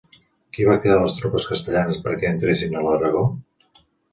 Qui va cridar les tropes castellanes perquè entressin a l'Aragó?